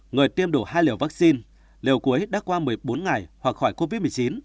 người tiêm đủ hai liều vaccine liều cuối đã qua một mươi bốn ngày hoặc khỏi covid một mươi chín